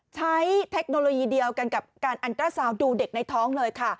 เทคโนโลยีเดียวกันกับการอันตราซาวดูเด็กในท้องเลยค่ะ